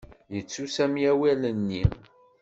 Yettu Sami awal-nni.